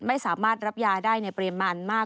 ไม่สามารถรับยาได้ในปริมาณมาก